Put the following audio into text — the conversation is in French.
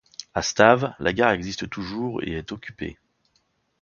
À Stave, la Gare existe toujours et est occupée.